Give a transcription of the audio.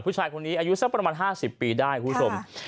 ผู้ชายคนนี้อายุสักประมาณ๕๐ปีได้คุณผู้ชม